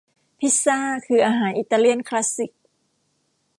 พิซซ่าคืออาหารอิตาเลียนคลาสสิค